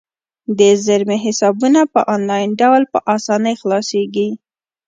د زیرمې حسابونه په انلاین ډول په اسانۍ خلاصیږي.